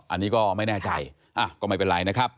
อันนี้ก็ไม่แน่ใจก็ไม่เป็นไรนะครับ